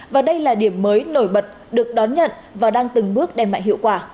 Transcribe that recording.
và đây là điểm mới nổi bật được đón nhận và đang từng bước đem lại hiệu quả